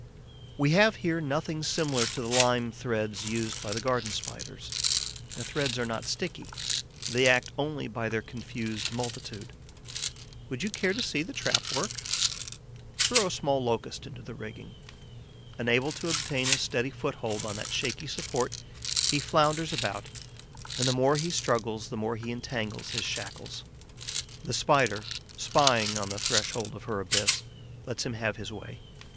We have here nothing similar to the lime threads used by the Garden Spiders. The threads are not sticky; they act only by their confused multitude. Would you care to see the trap at work? Throw a small Locust into the rigging. Unable to obtain a steady foothold on that shaky support, he flounders about; and the more he struggles the more he entangles his shackles. The Spider, spying on the threshold of her abyss, lets him have his way.